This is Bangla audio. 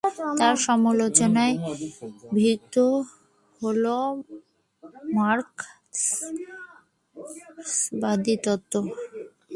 তার সমালোচনার ভিত্তি হল মার্কসবাদী তত্ত্ব।